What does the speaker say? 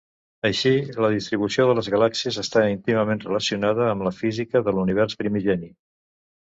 Així, la distribució de les galàxies està íntimament relacionada amb la física de l'univers primigeni.